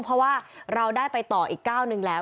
เพราะว่าเราได้ไปต่ออีกก้าวหนึ่งแล้ว